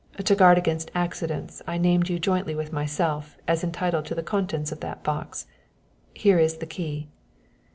To guard against accidents I named you jointly with myself as entitled to the contents of that box. Here is the key."